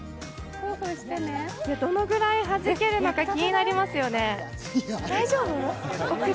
どのくらい弾けるのか、気になりますよね。